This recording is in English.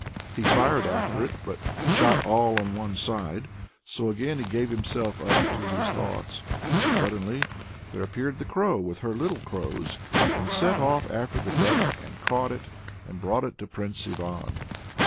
He fired after it, but shot all on one side, so again he gave himself up to his thoughts. Suddenly there appeared the crow with her little crows, and set off after the duck, and caught it, and brought it to Prince Ivan.